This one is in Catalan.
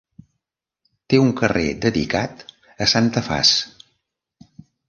Té un carrer dedicat a Santa Faç.